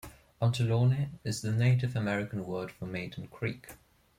Ontelaunee is the Native American word for Maiden Creek.